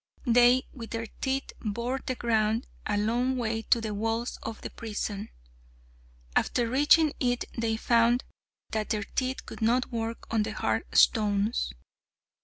They, with their teeth, bored the ground a long way to the walls of the prison. After reaching it they found that their teeth could not work on the hard stones.